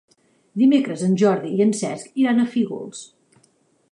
Dimecres en Jordi i en Cesc iran a Fígols.